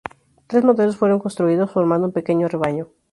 Tres modelos fueron construidos, formando un pequeño rebaño.